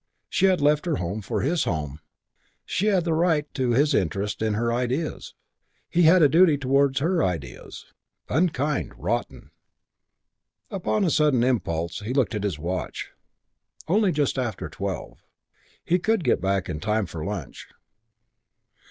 She had left her home for his home. She had a right to his interest in her ideas. He had a duty towards her ideas. Unkind. Rotten. Upon a sudden impulse he looked at his watch. Only just after twelve. He could get back in time for lunch.